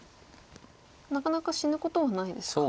なかなか死ぬことはないですか。